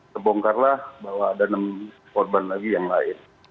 terbongkarlah bahwa ada enam korban lagi yang lain